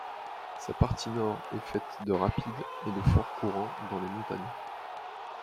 Sa partie nord est faite de rapides et de forts courants dans les montagnes.